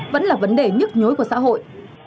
vẫn là vấn đề nhức nhối của xã hội